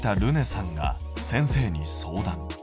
さんが先生に相談。